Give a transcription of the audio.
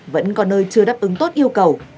vẫn có nơi chưa đáp ứng tốt yêu cầu